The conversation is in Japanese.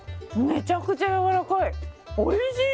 めちゃくちゃやわらかいおいしい！